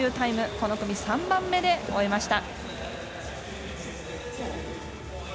この組３番目で終えました。